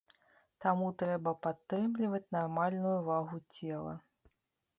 Таму трэба падтрымліваць нармальную вагу цела.